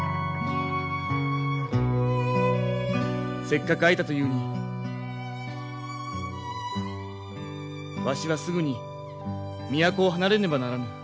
せっかく会えたというにわしはすぐに都を離れねばならぬ。